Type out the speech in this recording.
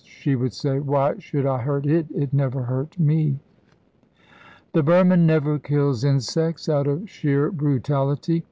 she would say, 'why should I hurt it? It never hurt me.' The Burman never kills insects out of sheer brutality.